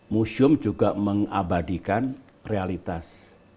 museum juga mengabadikan realitas